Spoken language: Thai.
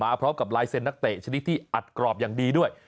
พร้อมกับลายเซ็นนักเตะชนิดที่อัดกรอบอย่างดีด้วย